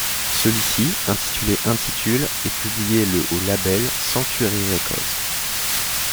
Celui-ci, intitulé intitule ', est publié le au label Sanctuary Records.